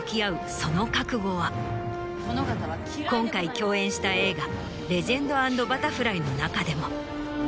その覚悟は今回共演した映画『レジェンド＆バタフライ』の中でも。